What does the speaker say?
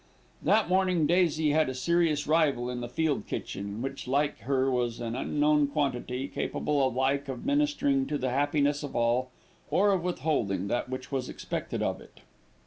That morning Daisy had a serious rival in the field kitchen, which like her was an unknown quantity, capable alike of ministering to the happiness of all, or of withholding that which was expected of it.